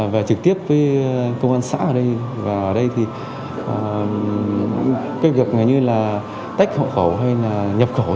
và trực tiếp với công an xã ở đây cái việc như tách hộ khẩu hay nhập khẩu